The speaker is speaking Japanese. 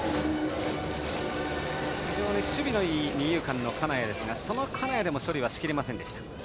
非常に守備のいい二遊間の金谷ですがその金谷でも処理し切れませんでした。